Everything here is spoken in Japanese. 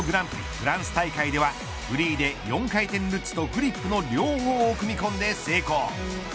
フランス大会ではフリーで４回転ルッツとフリップの両方を組み込んで成功。